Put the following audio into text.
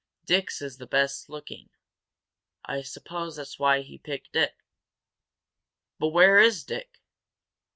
Dick's is the best looking. I suppose that's why he picked it." "But where is Dick?"